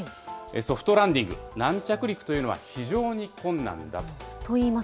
ソフトランディング・軟着陸というのは非常に困難だと。